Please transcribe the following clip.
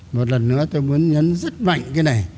một lần nữa tôi muốn nhấn rất mạnh cái này